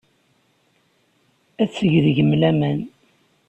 Ad teg deg-m laman.